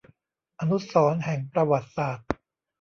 อนุสรณ์แห่งประวัติศาสตร์